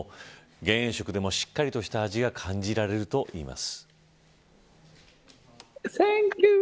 減塩食でもしっかりとした味が感じられるといいます。